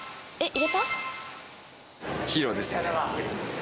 入れた？